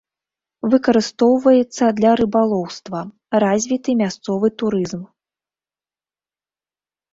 Выкарыстоўваецца для рыбалоўства, развіты мясцовы турызм.